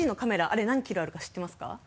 あれ何キロあるか知ってますか？